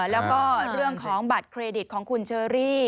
แล้วก็เรื่องของบัตรเครดิตของคุณเชอรี่